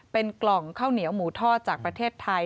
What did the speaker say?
เป็นกล่องข้าวเหนียวหมูทอดจากประเทศไทย